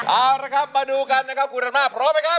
เอาละครับมาดูกันนะครับคุณอำนาจพร้อมไหมครับ